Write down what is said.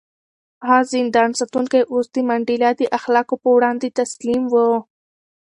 هغه زندان ساتونکی اوس د منډېلا د اخلاقو په وړاندې تسلیم و.